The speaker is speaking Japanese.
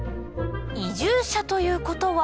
移住者ということは？